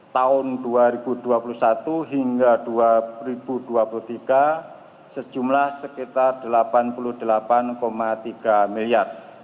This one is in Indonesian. tahun dua ribu dua puluh satu hingga dua ribu dua puluh tiga sejumlah sekitar rp delapan puluh delapan tiga miliar